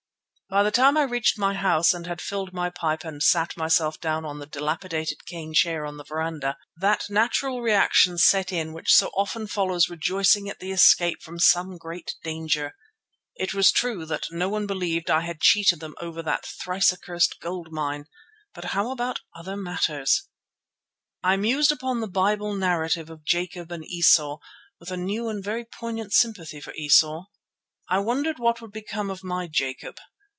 By the time I reached my house and had filled my pipe and sat myself down in the dilapidated cane chair on the veranda, that natural reaction set in which so often follows rejoicing at the escape from a great danger. It was true that no one believed I had cheated them over that thrice accursed gold mine, but how about other matters? I mused upon the Bible narrative of Jacob and Esau with a new and very poignant sympathy for Esau. I wondered what would become of my Jacob.